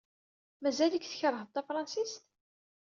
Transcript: Mazal-ik tkeṛhed tafṛensist?